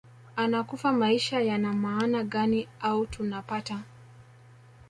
anakufa maisha yana maana gani au tunapata